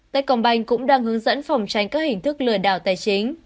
tây còng banh cũng đang hướng dẫn phòng tranh các hình thức lừa đảo tài chính